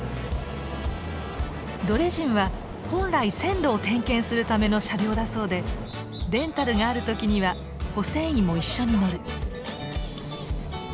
ドレジンは本来線路を点検するための車両だそうでレンタルがある時には保線員も一緒に乗る。